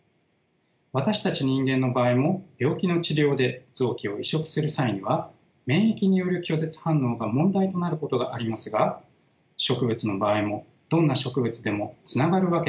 私たち人間の場合も病気の治療で臓器を移植する際には免疫による拒絶反応が問題となることがありますが植物の場合もどんな植物でもつながるわけではありません。